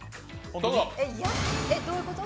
え、どういうこと？